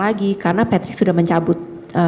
lagi karena patrick sudah mencabut